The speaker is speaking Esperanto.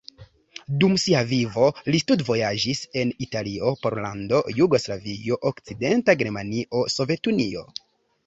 Dum sia vivo li studvojaĝis en Italio, Pollando, Jugoslavio, Okcidenta Germanio, Sovetunio.